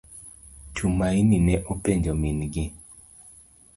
Tumaini ne openjo min gi.